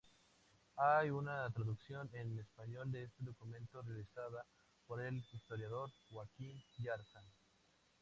Hay una traducción en español de este documento realizada por el historiador Joaquín Yarza.